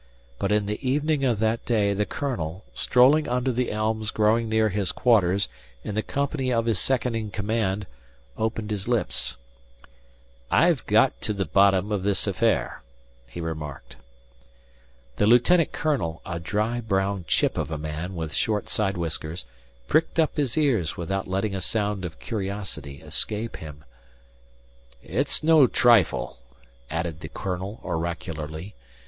But in the evening of that day the colonel, strolling under the elms growing near his quarters in the company of his second in command opened his lips. "I've got to the bottom of this affair," he remarked. The lieutenant colonel, a dry brown chip of a man with short side whiskers, pricked up his ears without letting a sound of curiosity escape him. "It's no trifle," added the colonel oracularly.